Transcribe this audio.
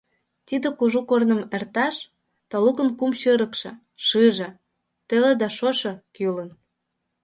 Тиде кужу корным эрташ талукын кум чырыкше — шыже, теле да шошо — кӱлын.